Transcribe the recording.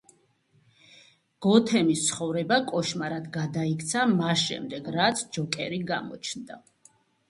გოთემის ცხოვრება კოშმარად გადაიქცა მას შემდეგ, რაც ჯოკერი გამოჩნდა.